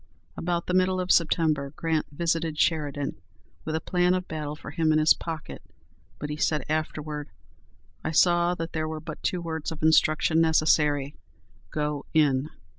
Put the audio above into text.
About the middle of September Grant visited Sheridan with a plan of battle for him in his pocket, but he said afterward, "I saw that there were but two words of instruction necessary, 'Go in.'